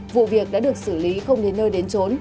vụ việc đã được xử lý không đến nơi đến trốn